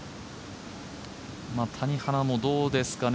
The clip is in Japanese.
谷原もどうですかね